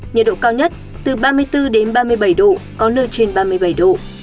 nhiệt độ cao nhất từ ba mươi bốn ba mươi bảy độ có nơi trên ba mươi bảy độ